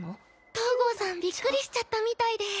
東郷さんびっくりしちゃったみたいで。